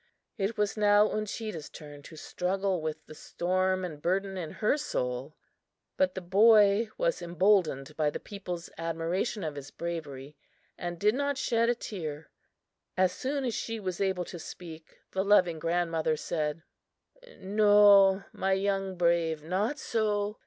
It was now Uncheedah's turn to struggle with the storm and burden in her soul. But the boy was emboldened by the people's admiration of his bravery, and did not shed a tear. As soon as she was able to speak, the loving grandmother said: "No, my young brave, not so!